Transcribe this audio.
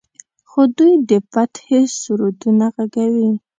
خو دوی د فتحې سرودونه غږوي.